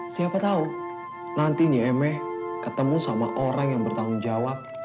siapa tahu nanti nyik eme ketemu sama orang yang bertanggung jawab